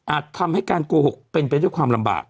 ทำให้การโกหกเป็นไปด้วยความลำบาก